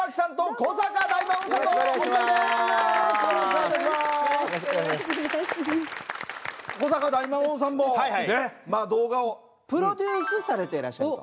古坂大魔王さんも動画をプロデュースされていらっしゃると。